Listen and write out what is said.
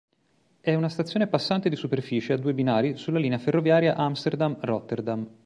È una stazione passante di superficie a due binari sulla linea ferroviaria Amsterdam-Rotterdam.